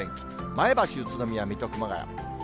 前橋、宇都宮、水戸、熊谷。